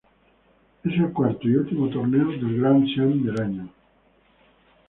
Es el cuarto y último torneo del Grand Slam del año.